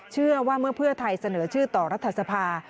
เชื่อว่าเมื่อเพื่อไทยเสนอชื่อต่อรัฐสภา